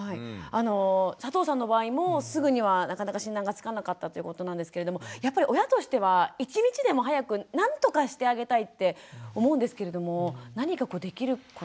佐藤さんの場合もすぐにはなかなか診断がつかなかったということなんですけれどもやっぱり親としては一日でも早くなんとかしてあげたいって思うんですけれども何かできることってあるんですか？